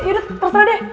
iya deh terus aja deh